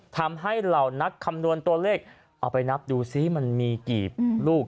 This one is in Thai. ทำให้เรานักคำวนตัวเลขเอาไปนับดูสิมันมีกี่ลูก